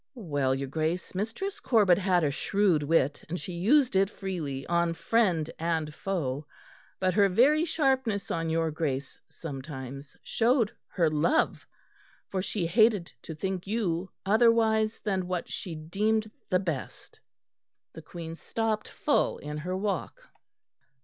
"Well, your Grace, Mistress Corbet had a shrewd wit, and she used it freely on friend and foe, but her very sharpness on your Grace, sometimes, showed her love; for she hated to think you otherwise than what she deemed the best." The Queen stopped full in her walk.